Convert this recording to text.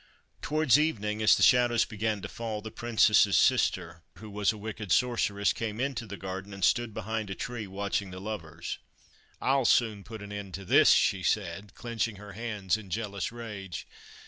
Towards evening, as the shadows began to fall, the Princess's sister, who was a wicked Sorceress, came into the garden and stood behind a tree watching the lovers. ' I '11 soon put an end to this,' she said, clenching her hands in jealous rage.